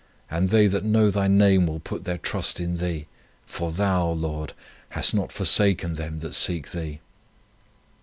And they that know Thy name will put their trust in Thee: for Thou, Lord, hast not forsaken them that seek Thee."